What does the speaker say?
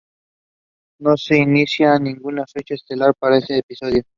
No se indica ninguna fecha estelar para este episodio.